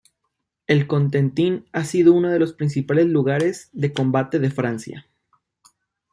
El Cotentin ha sido uno de los principales lugares de combate de Francia.